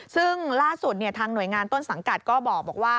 ซึ่งล่าสุดทางหน่วยงานต้นสังกัดก็บอกว่า